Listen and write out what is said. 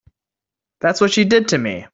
That's what she did to me.